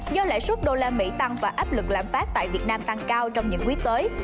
do lãi suất đô la mỹ tăng và áp lực lạm phát tại việt nam tăng cao trong những quý tới